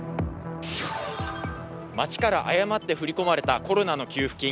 町から誤って振り込まれたコロナの給付金